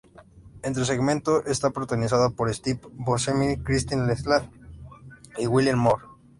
Este segmento está protagonizado por Steve Buscemi, Christian Slater y Julianne Moore.